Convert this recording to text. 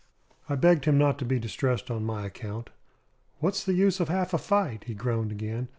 I begged him not to be distressed on my account. "What's the use of half a fight?" he groaned again.